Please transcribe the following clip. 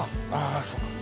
あそうか。